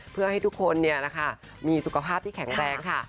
เพื่อให้ทุกคนมีสุขภาพที่แข็งแรงค่ะ